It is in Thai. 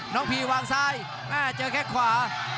น้องพีวางซ้ายเจอแค่ขวา